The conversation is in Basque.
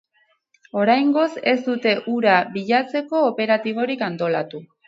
Oraingoz ez dute hura bilatzeko operatiborik antolatu.